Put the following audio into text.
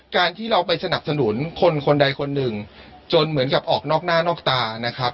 การที่เราไปสนับสนุนคนคนใดคนหนึ่งจนเหมือนกับออกนอกหน้านอกตานะครับ